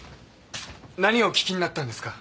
何をお聞きになったんですか？